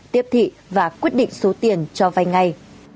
tiếp thị và quyết định số tiền cho vay ngay